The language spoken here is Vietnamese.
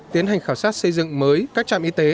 tiến hành khảo sát xây dựng mới các trạm y tế